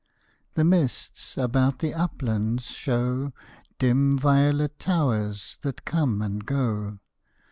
The mists about the uplands show Dim violet towers that come and go.